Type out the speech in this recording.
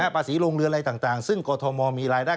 ภาษีโรงเรืออะไรต่างซึ่งกรทมมีรายได้